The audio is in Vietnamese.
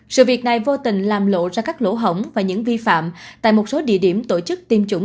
sự việc này vô tình làm lộ ra các lỗ hổng và những vi phạm tại một số địa điểm tổ chức tiêm chủng